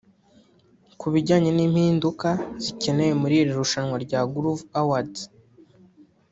Ku bijyanye n’impinduka zikenewe muri iri rushanwa rya Groove Awards